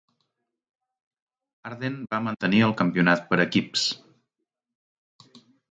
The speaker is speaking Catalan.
Arden va mantenir el campionat per equips.